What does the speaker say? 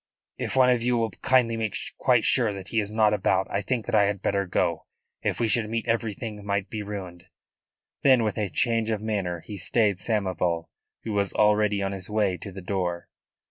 "If one of you will kindly make quite sure that he is not about I think that I had better go. If we should meet everything might be ruined." Then with a change of manner he stayed Samoval, who was already on his way to the door.